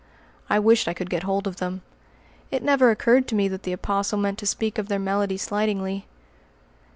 I wished I could get hold of them. It never occurred to me that the Apostle meant to speak of their melody slightingly.